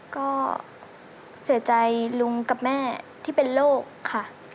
ก็เสียใจลุงกับแม่ที่เป็นโรคค่ะ